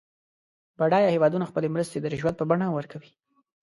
بډایه هېوادونه خپلې مرستې د رشوت په بڼه ورکوي.